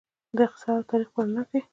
د اقتصاد او تاریخ په رڼا کې.